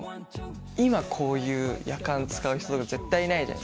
今こういうやかん使う人とか絶対いないじゃん。